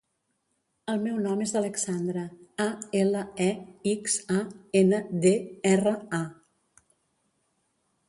El meu nom és Alexandra: a, ela, e, ics, a, ena, de, erra, a.